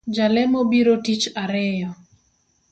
Jalemo biro tich ariyo